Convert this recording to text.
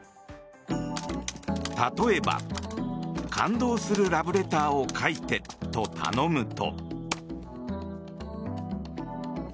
例えば、感動するラブレターを書いてと頼むと。